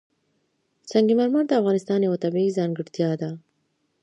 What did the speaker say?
سنگ مرمر د افغانستان یوه طبیعي ځانګړتیا ده.